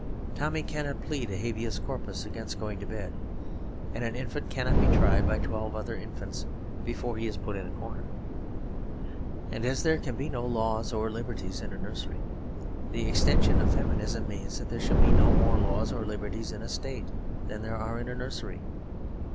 Tommy cannot plead a Habeas Corpus against going to bed; and an infant cannot be tried by twelve other infants before he is put in the corner. And as there can be no laws or liberties in a nursery, the extension of feminism means that there shall be no more laws or liberties in a state than there are in a nursery.